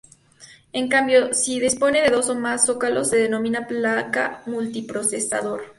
En cambio, si dispone de dos o más zócalos, se denomina placa multiprocesador.